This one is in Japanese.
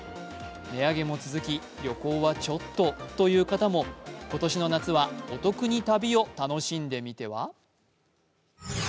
値上げも続き、旅行はちょっとという方も今年の夏はお得に旅を楽しんでみては？